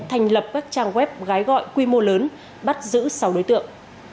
thành lập các trang web gái gọi quy mô lớn bắt giữ sáu đối tượng